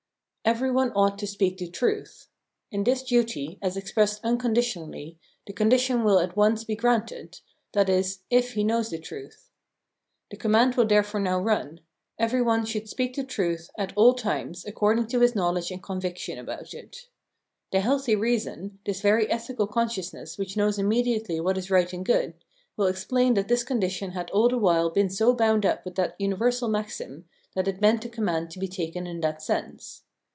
" Every one ought to speak the truth." In this duty, as expressed unconditionally, the condition will at once be granted, viz. if he knows the truth. The command will therefore now rim : every one should speak the truth, at all times according to his knowledge and con viction about it. The healthy reason, this very ethical consciousness which knows immediately what is right and good, will explain that this condition had all the while been so bound up with that universal maxim that it meant the command to be taken in that sense.